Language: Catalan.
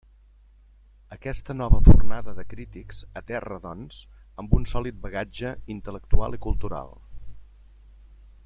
Aquesta nova fornada de crítics aterra, doncs, amb un sòlid bagatge intel·lectual i cultural.